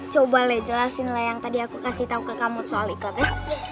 coba le jelasin yang tadi aku kasih tau ke kamu soal ikhlab ya